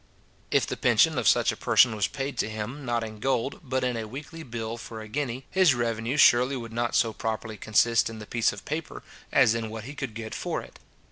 If the pension of such a person was paid to him, not in gold, but in a weekly bill for a guinea, his revenue surely would not so properly consist in the piece of paper, as in what he could get for it.